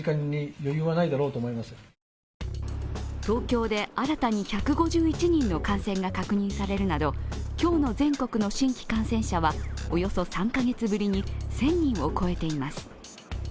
東京で新たに１５１人の感染が確認されるなど今日の全国の新規感染者はおよそ３カ月ぶりに１０００人を超えています。